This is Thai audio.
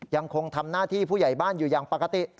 ยังคงทำหน้าที่ผู้ใหญ่บ้านอยู่อย่างปกติ